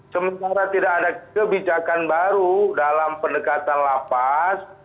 sementara tidak ada kebijakan baru dalam pendekatan lapas